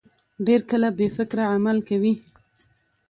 ډېر کله بې فکره عمل کوي.